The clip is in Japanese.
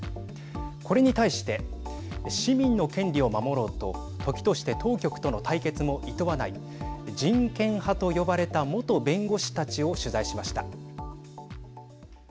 これに対して市民の権利を守ろうと時として当局との対決もいとわない人権派と呼ばれた元弁護士たちを取材しました。